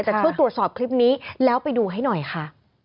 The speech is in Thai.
จะช่วยตรวจสอบคลิปนี้แล้วไปดูให้หน่อยค่ะ